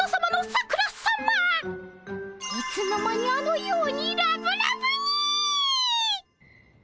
いつの間にあのようにラブラブに！